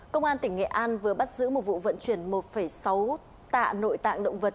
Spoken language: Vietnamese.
công an tỉnh nghệ an vừa bắt giữ một vụ vận chuyển một sáu tạ nội tạng động vật